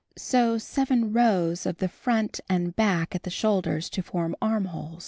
Sew 7 rows of the front and back at the shoulders to form armholes.